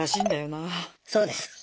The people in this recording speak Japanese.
そうです。